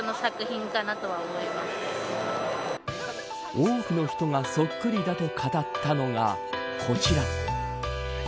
多くの人がそっくりだと語ったのがこちら。